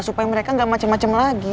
supaya mereka gak macem macem lagi